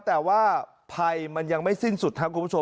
แต่ว่าภัยมันยังไม่สิ้นสุดครับคุณผู้ชม